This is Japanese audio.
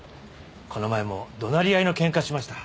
この間も怒鳴り合いの喧嘩しました。